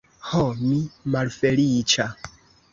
Ho, mi malfeliĉa!